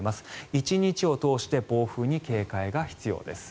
１日を通して暴風に警戒が必要です。